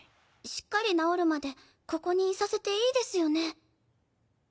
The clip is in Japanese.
しっかり治るまでここにいさせていいですよね？